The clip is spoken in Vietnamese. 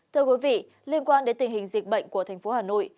thưa quý vị liên quan đến tình hình dịch bệnh của thành phố hà nội